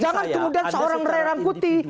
jangan kemudian seorang rai rangkuti